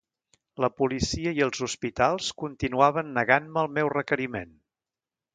La policia i els hospitals continuaven negant-me el meu requeriment...